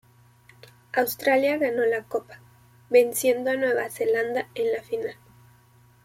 Australia ganó la Copa, venciendo a Nueva Zelanda en la final.